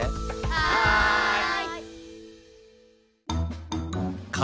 はい。